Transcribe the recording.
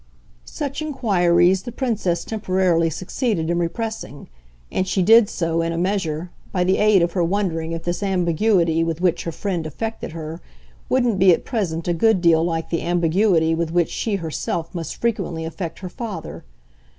Such inquiries the Princess temporarily succeeded in repressing, and she did so, in a measure, by the aid of her wondering if this ambiguity with which her friend affected her wouldn't be at present a good deal like the ambiguity with which she herself must frequently affect her father.